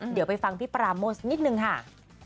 เดี๋ยวไปฟังพี่ปราโมทสักนิดนึงค่ะ